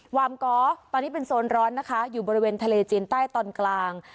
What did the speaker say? วามกอล์ตอนนี้เป็นโซนร้อนนะคะอยู่บริเวณทะเลจีนใต้ตอนกลาง